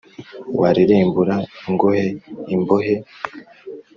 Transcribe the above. warerembura ingohe imbohe